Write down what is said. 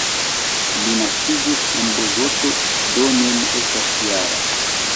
Li naskiĝis en Bogoto, do nun estas -jara.